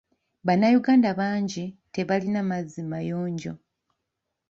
Bannayuganda bangi tebalina mazzi mayonjo.